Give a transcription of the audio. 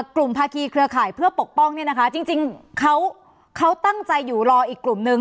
ภาคีเครือข่ายเพื่อปกป้องเนี่ยนะคะจริงเขาตั้งใจอยู่รออีกกลุ่มนึง